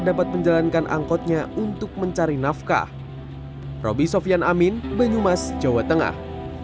dapat menjalankan angkotnya untuk mencari nafkah roby sofyan amin banyumas jawa tengah